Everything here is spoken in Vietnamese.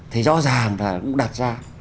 thì rõ ràng là cũng đặt ra